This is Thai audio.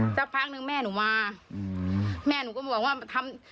สักพักหนึ่งแม่หนูมาแม่หนูก็บอกว่าทำ